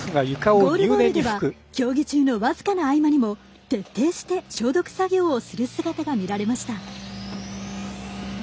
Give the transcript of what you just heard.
ゴールボールでは競技中のわずかな合間にも徹底して消毒作業をする姿が見られました。